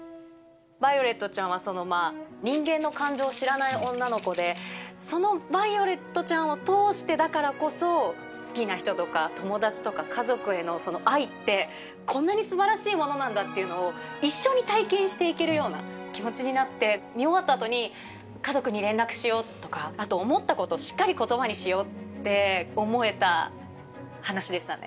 ヴァイオレットちゃんは人間の感情を知らない女の子でそのヴァイオレットちゃんを通してだからこそ好きな人とか友達とか家族への愛ってこんなに素晴らしいものなんだっていうのを一緒に体験して行けるような気持ちになって見終わった後に家族に連絡しようとかあと思ったことしっかり言葉にしようって思えた話でしたね。